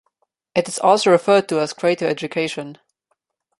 It is also referred to as Creative Education.